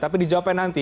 tapi dijawabkan nanti